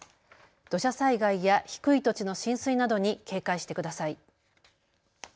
土砂災害や低い土地の浸水などに警戒してください。